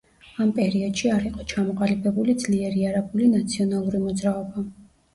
ამ პერიოდში არ იყო ჩამოყალიბებული ძლიერი არაბული ნაციონალური მოძრაობა.